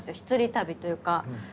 １人旅というか。